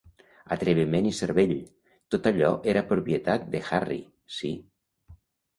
Atreviment i cervell, tot allò era propietat de Harry - sí.